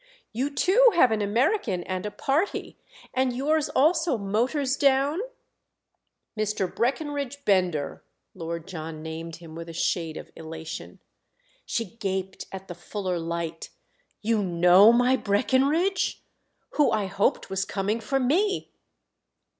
"You too have an American and a 'party,' and yours also motors down——?" "Mr. Breckenridge Bender." Lord John named him with a shade of elation. She gaped at the fuller light "You know my Breckenridge?—who I hoped was coming for me!"